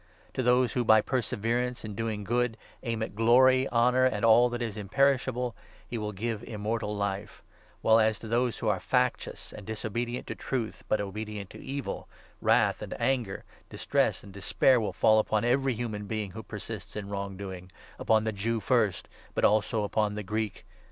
To those who, by perseverance in doing 7 good, aim at glory, honour, and all that is imperishable, he will give Immortal Life ; while as to those who are factious, 8 and disobedient to Truth but obedient to Evil, wrath and anger, distress and despair, will fall upon every human being who 9 persists in wrong doing — upon the Jew first, but also upon the Greek.